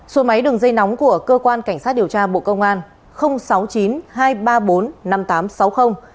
số máy đường dây nóng của cơ quan cảnh sát điều tra bộ công an